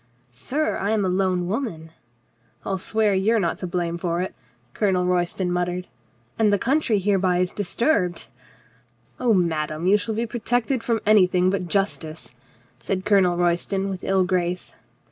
"Sir, I am a lone woman —" "I'll swear you are not to blame for it," Colonel Royston muttered. "— and the country hereby is disturbed —" "Oh, madame, you shall be protected from any thing but justice," said Colonel Royston with ill grace.